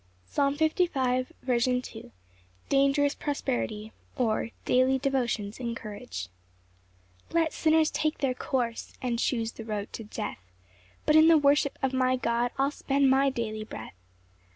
Psalm 55:2. 15 17 19 22. S. M. Dangerous prosperity; or, Daily devotions encouraged. 1 Let sinners take their course, And choose the road to death; But in the worship of my God I'll spend my daily breath.